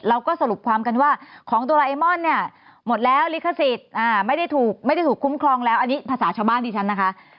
เราก็สรุปความกันว่าของโดราเอมอนเนี่ยหมดแล้วลิขสิทธิ์ไม่ได้ถูกไม่ได้ถูกคุ้มครองแล้วอันนี้ภาษาชาวบ้านดิฉันนะคะ